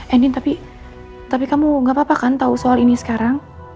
andien tapi kamu gak apa apa kan tau soal ini sekarang